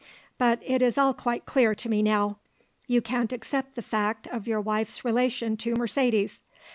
But it is all quite clear to me now. You can't accept the fact of your wife's relation to Mercedes.